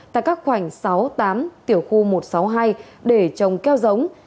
tại các khoảnh sáu tám tiểu khu một sáu hai để trồng keo giống